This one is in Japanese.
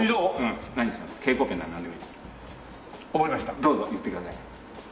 どうぞ言ってください。